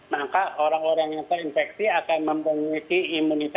maka orang orang yang terinfeksi akan mempunyai imunitas